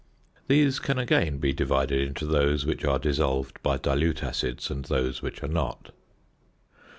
These can again be divided into those which are dissolved by dilute acids and those which are not.